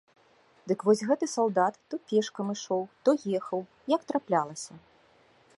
Дык вось гэты салдат то пешкам ішоў, то ехаў, як траплялася.